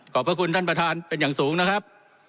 พระคุณท่านประธานเป็นอย่างสูงนะครับ